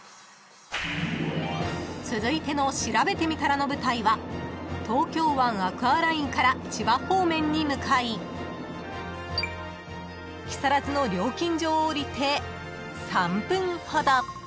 ［続いての『しらべてみたら』の舞台は東京湾アクアラインから千葉方面に向かい木更津の料金所を降りて３分ほど］